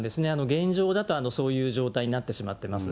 現状だとそういう状態になってしまってます。